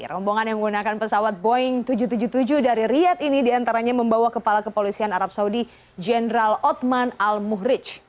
rombongan yang menggunakan pesawat boeing tujuh ratus tujuh puluh tujuh dari riyad ini diantaranya membawa kepala kepolisian arab saudi jenderal otman al muhrij